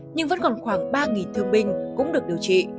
nhưng vẫn còn khoảng ba thương binh cũng được điều trị